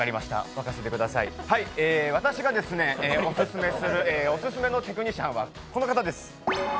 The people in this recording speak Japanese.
私がオススメするオススメのテクニシャンはこの方です。